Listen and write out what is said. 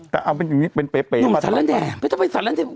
แต่เอาอย่างนี้เป้ย